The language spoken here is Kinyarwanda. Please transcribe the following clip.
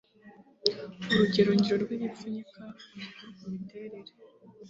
urugerongiro rw igipfunyika amakuru ku miterere